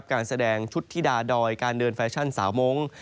การแสดงชุดธิดาดอยการเดินแฟชั่นสาวมงค์